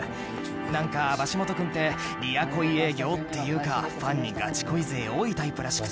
なんかバシモト君ってリア恋営業っていうかファンにガチ恋勢多いタイプらしくて。